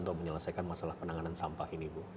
untuk menyelesaikan masalah penanganan sampah ini bu